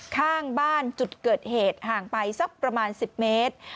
ข้างบ้านจุดเกิดเหตุห่างไปสักประมาณ๑๐เมตร